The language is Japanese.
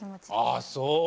ああそう。